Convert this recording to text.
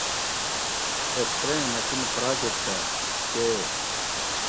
ایکسریں مشین پراجیکٹہ (کے